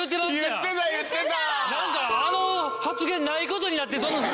言ってた言ってた！